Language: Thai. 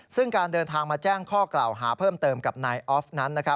ซึ่งการเดินทางมาแจ้งข้อกล่าวหาเพิ่มเติมกับนายออฟนั้น